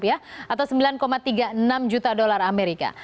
atau rp sembilan tiga puluh enam juta